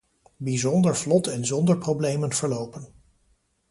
Bijzonder vlot en zonder problemen verlopen.